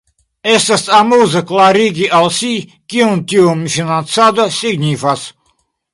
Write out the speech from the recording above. Estas amuze klarigi al si, kion tiu financado signifas.